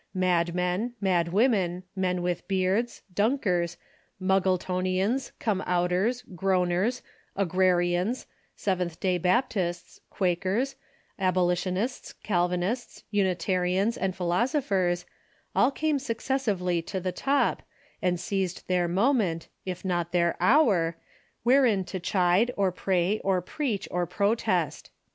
... Madmen, madwomen, men with beards, Dun kers, Muggletonians, Come outers, Groaners, Agrarians, Sev enth Day Baptists, Quakers, Abolitionists, Calvinists, Unita rians, and philosophers, all came successively to the top, and seized their moment, if not their hour^ wherein to chide, or pray, or preach, or protest.